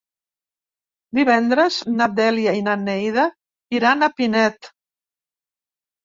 Divendres na Dèlia i na Neida iran a Pinet.